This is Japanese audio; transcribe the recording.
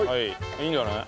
いいんじゃない？